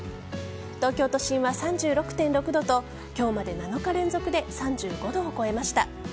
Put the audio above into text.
東京都心は３６．６度と今日まで７日連続で３５度を超えました。